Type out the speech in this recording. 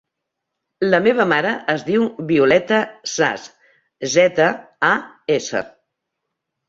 La meva mare es diu Violeta Zas: zeta, a, essa.